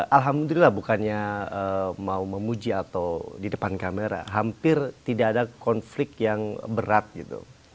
alhamdulillah bukannya mau memuji atau di depan kamera hampir tidak ada konflik yang berat gitu